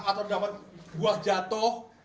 atau dapat buah jatuh